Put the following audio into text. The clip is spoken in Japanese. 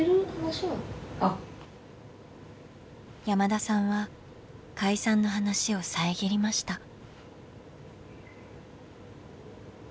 山田さんは解散の話を遮りました。